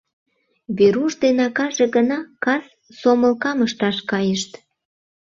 Веруш ден акаже гына кас сомылкам ышташ кайышт.